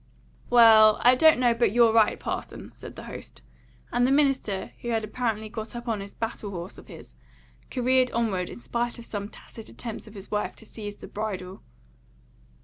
"Well, I don't know but you're right, parson," said the host; and the minister, who had apparently got upon a battle horse of his, careered onward in spite of some tacit attempts of his wife to seize the bridle.